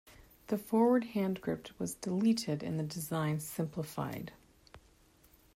The forward hand grip was deleted, and the design simplified.